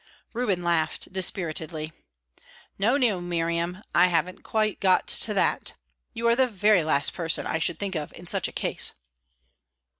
Reuben laughed dispiritedly. "No, no, Miriam; I haven't quite got to that. You are the very last person I should think of in such a case."